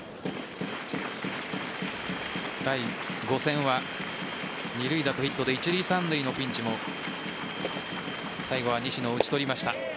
第５戦は二塁打とヒットで一塁・三塁のピンチも最後は西野を打ち取りました。